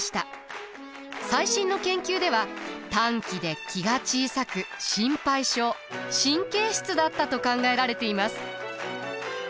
最新の研究では短気で気が小さく心配性神経質だったと考えられています。